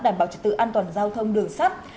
đảm bảo trật tự an toàn giao thông đường sắt